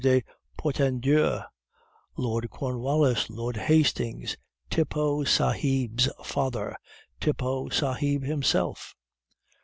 de Portenduere, Lord Cornwallis, Lord Hastings, Tippoo Sahib's father, Tippoo Sahib himself.